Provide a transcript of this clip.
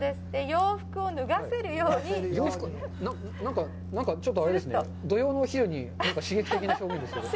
洋服を脱がせるように何か、ちょっとあれですね、土曜のお昼に刺激的な表現ですけど。